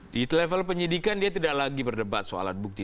di level penyelidikan dia tidak lagi berdebat soal bukti